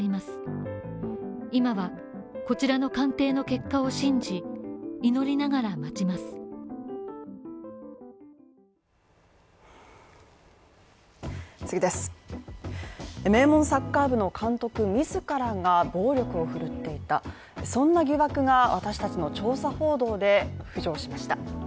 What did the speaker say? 今夜、とも子さんはホームページで名門サッカー部の監督自らが暴力を振るっていたそんな疑惑が私たちの調査報道で浮上しました。